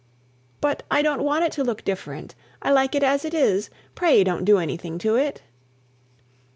"But I don't want it to look different. I like it as it is. Pray don't do anything to it."